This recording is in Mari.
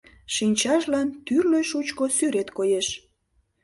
Шинчажлан тӱрлӧ шучко сӱрет коеш.